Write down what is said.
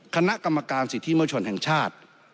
คณะกรรมการสิทธิมชนแห่งชาติ